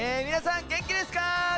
皆さん元気ですか？